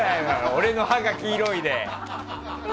俺の歯が黄色いで。